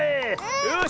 よし！